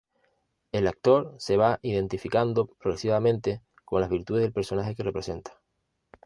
El actor se va identificando progresivamente con las virtudes del personaje que representa.